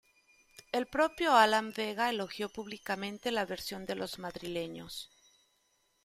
El propio Alan Vega elogió públicamente la versión de los madrileños.